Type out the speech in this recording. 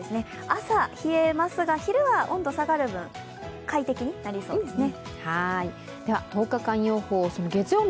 朝、冷えますが、昼は温度が下がる分、快適になりそうですね。